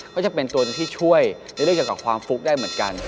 ก็จะเป็นตัวที่ช่วยเรียกเรื่องจากความฟลุกได้เหมือนกัน